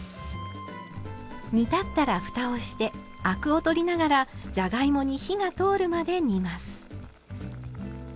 煮立ったらふたをしてアクを取りながらじゃがいもに火が通るまで煮ます。